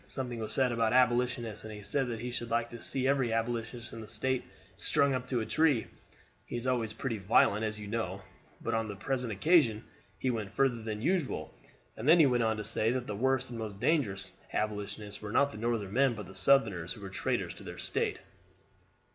Something was said about Abolitionists, and he said that he should like to see every Abolitionist in the State strung up to a tree. He is always pretty violent, as you know; but on the present occasion he went further than usual, and then went on to say that the worst and most dangerous Abolitionists were not Northern men but Southerners, who were traitors to their State.